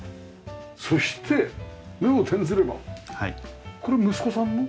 そして目を転ずればこれ息子さんの？